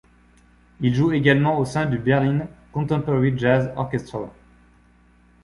Il a joué également au sein du Berlin Contemporary Jazz Orchestra.